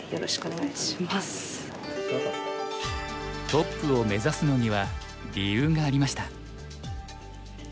トップを目指すのには理由がありました。